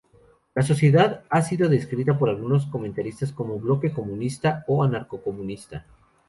La sociedad ha sido descrita por algunos comentaristas como "bloque comunista" o "anarcocomunista".